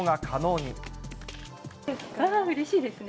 うれしいですね。